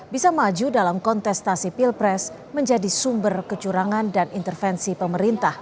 bisa maju dalam kontestasi pilpres menjadi sumber kecurangan dan intervensi pemerintah